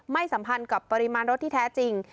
สัมพันธ์กับปริมาณรถที่แท้จริง